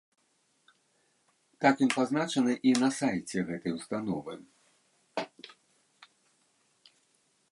Так ён пазначаны і на сайце гэтай установы.